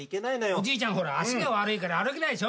おじいちゃん足が悪いから歩けないでしょ。